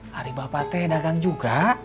hari bapak teh dagang juga